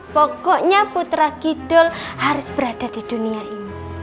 pokoknya putra kidul harus berada di dunia ini